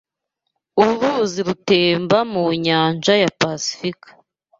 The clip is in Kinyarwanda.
Uru ruzi rutemba mu nyanja ya pasifika.